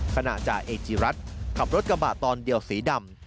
จ่าเอกจิรัตน์ขับรถกระบะตอนเดียวสีดำ